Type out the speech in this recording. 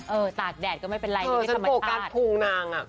เออตากแดดก็ไม่เป็นไรไม่มีธรรมชาติเท่านั้น